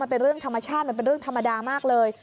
มันเป็นเรื่องธรรมชาติมันเป็นเรื่องธรรมดามากเลย